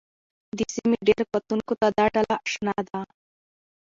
د سیمې ډېرو کتونکو ته دا ډله اشنا ده